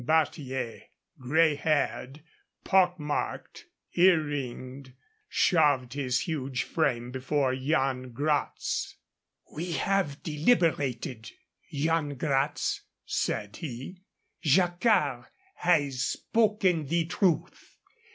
Barthier, gray haired, pock marked, earringed, shoved his huge frame before Yan Gratz. "We have deliberated, Yan Gratz," said he. "Jacquard has spoken the truth.